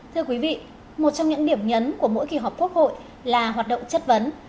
thưa quý vị một trong những điểm nhấn của mỗi kỳ họp quốc hội là hoạt động chất vấn